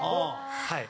はい。